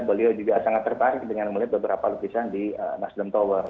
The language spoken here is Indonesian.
beliau juga sangat tertarik dengan melihat beberapa lukisan di nasdem tower